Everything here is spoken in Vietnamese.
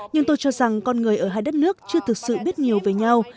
nhưng tôi cho rằng con người ở hai đất nước chưa thực sự biết nhiều về nhau